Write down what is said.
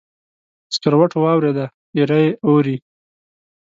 سکروټو واوریده، ایره یې اوري